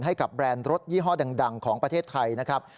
แบรนด์รถยี่ห้อดังของประเทศไทยนะครับ